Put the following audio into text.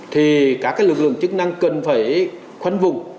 thì các lực lượng chức năng cần phải khoanh vùng